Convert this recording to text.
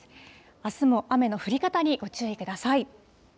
あすも雨の降り方にご注意ください。